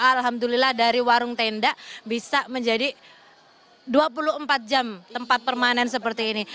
alhamdulillah dari warung tenda bisa menjadi dua puluh empat jam tempat permanen seperti ini